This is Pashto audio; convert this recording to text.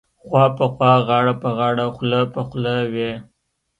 خوا په خوا غاړه په غاړه خوله په خوله وې.